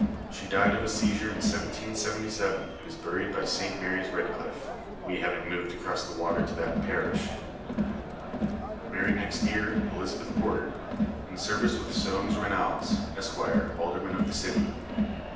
She died of a seizure in 1777, and is buried by St. Mary's Redclyf we having moved across the water to that parish. Married next year, Elizabeth Porter, in service with Soames Rennalls, Esquire, Alderman of the City.